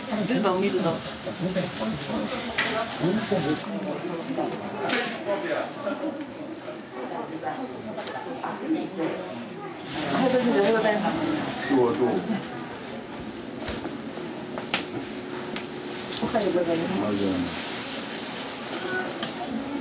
おはようございます。